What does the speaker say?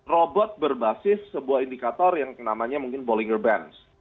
robot berbasis sebuah indikator yang namanya mungkin bollinger bands